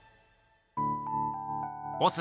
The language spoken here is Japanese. ボス